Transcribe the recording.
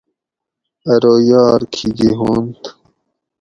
ارو یار کھیکی ہوانت